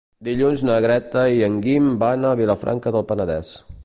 Dilluns na Greta i en Guim van a Vilafranca del Penedès.